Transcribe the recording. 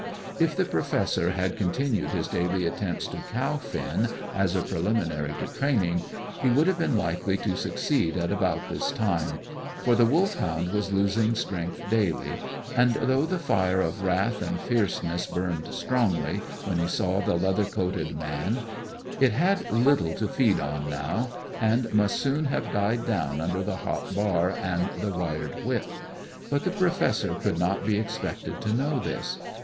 If the Professor had continued his daily attempts to cow Finn, as a preliminary to training, he would have been likely to succeed at about this time; for the Wolfhound was losing strength daily, and though the fire of wrath and fierceness burned strongly when he saw the leather coated man, it had little to feed on now, and must soon have died down under the hot bar and the wired whip. But the Professor could not be expected to know this.